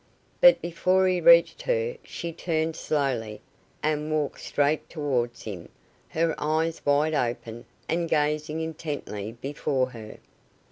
But before he reached her she turned slowly, and walked straight towards him, her eyes wide open, and gazing intently before her.